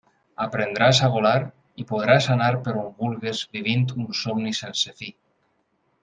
Aprendràs a volar i podràs anar per on vulgues vivint un somni sense fi.